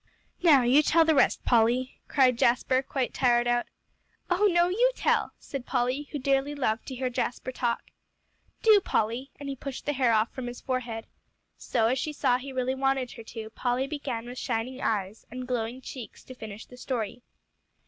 "Now you tell the rest, Polly," cried Jasper, quite tired out. "Oh, no, you tell," said Polly, who dearly loved to hear Jasper talk. "Do, Polly," and he pushed the hair off from his forehead. So, as she saw he really wanted her to, Polly began with shining eyes, and glowing cheeks, to finish the story.